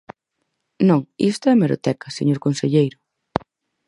Non, isto é a hemeroteca, señor conselleiro.